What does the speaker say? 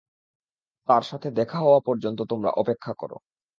তার সাথে দেখা হওয়া পর্যন্ত তোমরা অপেক্ষা করো।